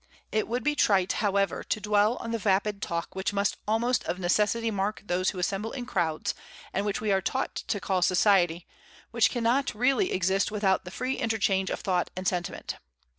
It would be trite, however, to dwell on the vapid talk which must almost of necessity mark those who assemble in crowds, and which we are taught to call society, which really cannot exist without the free interchange of thought and sentiment.